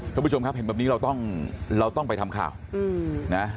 คุณผู้ชมครับเห็นแบบนี้เราต้องเราต้องไปทำข่าวนะ